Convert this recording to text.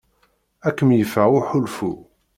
Ad kem-yeffeɣ uḥulfu.